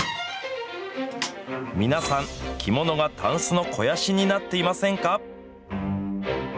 皆さん、着物がタンスの肥やしになっていませんか？